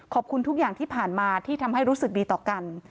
ขอบคุณทุกอย่างที่ผ่านมาที่ทำให้รู้สึกดีต่อกัน